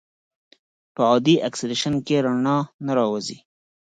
په عادي اکسیدیشن کې رڼا نه راوځي.